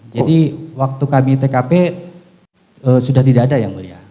jadi waktu kami tkp sudah tidak ada yang mulia